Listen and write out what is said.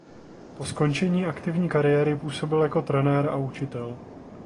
Po skončení aktivní kariéry působil jako trenér a učitel.